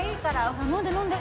ほら飲んで飲んで。